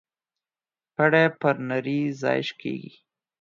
پړى پر نري ځاى شکېږي.